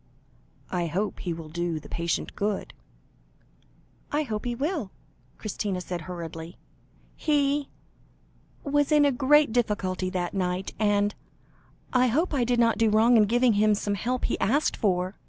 "I hope he will do the patient good." "I hope he will," Christina said hurriedly; "he was in a great difficulty that night, and I hope I did not do wrong in giving him some help he asked for?"